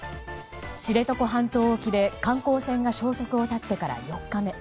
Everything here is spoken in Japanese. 知床半島沖で観光船が消息を絶ってから４日目。